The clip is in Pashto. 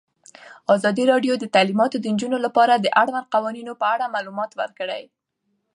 ازادي راډیو د تعلیمات د نجونو لپاره د اړونده قوانینو په اړه معلومات ورکړي.